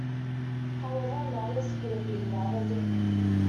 However, matters could have been rather different.